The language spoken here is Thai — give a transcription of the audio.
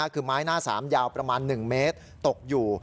คือไม้หน้าสามยาวประมาณ๑เมตรตกอยู่